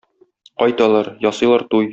Кайталар, ясыйлар туй.